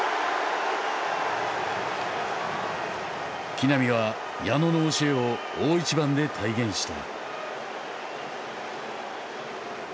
木浪は矢野の教えを大一番で体現した。